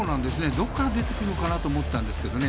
どこから出てくるのかなと思ったんですけどね